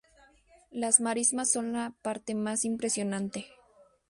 Las marismas son la parte más impresionante.